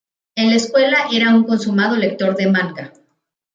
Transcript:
En la escuela era un consumado lector de manga.